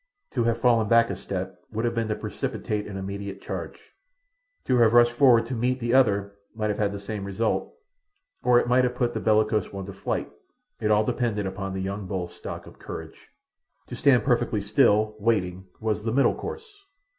To have fallen back a step would have been to precipitate an immediate charge; to have rushed forward to meet the other might have had the same result, or it might have put the bellicose one to flight—it all depended upon the young bull's stock of courage. To stand perfectly still, waiting, was the middle course.